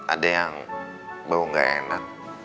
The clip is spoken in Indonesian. ada yang bau nggak enak